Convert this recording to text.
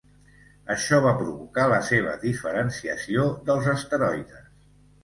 Això va provocar la seva diferenciació dels asteroides.